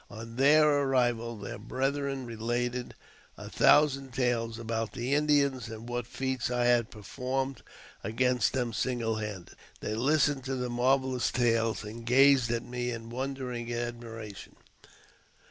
On their arrival, their brethren related a thousand tales about the Indians, and what feats I had performed against them single handed. They listened to the marvellous tales, and gazed at me in wondering admiration.